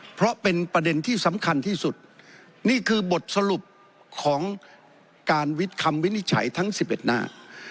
เพราะเป็นประเด็นที่สำคัญที่สุดนี่คือบทสรุปของการวิทย์คำวินิจฉัยทั้ง๑๑หน้า